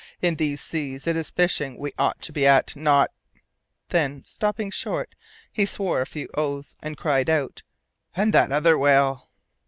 In these seas it is fishing we ought to be at, not " Then, stopping short, he swore a few oaths, and cried out, "And that other whale!"